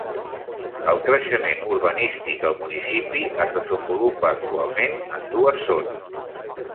El creixement urbanístic al municipi es desenvolupa actualment en dues zones.